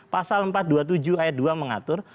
pasal empat ratus dua puluh tujuh ayat dua mengatur